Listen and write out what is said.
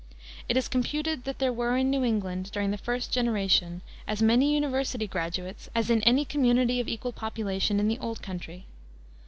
It is computed that there were in New England during the first generation as many university graduates as in any community of equal population in the old country.